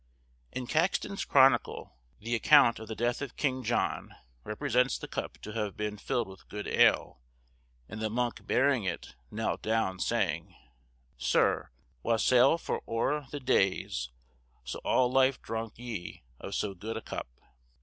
In Caxton's Chronicle the account of the death of King John represents the cup to have been filled with good ale; and the monk bearing it, knelt down, saying, "Syr, wassayll for euer the dayes so all lyf dronke ye of so good a cuppe."